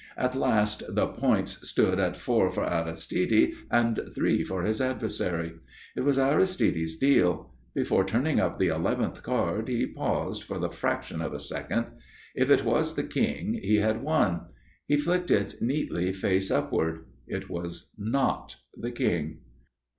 At last the points stood at four for Aristide and three for his adversary. It was Aristide's deal. Before turning up the eleventh card he paused for the fraction of a second. If it was the King, he had won. He flicked it neatly face upward. It was not the King.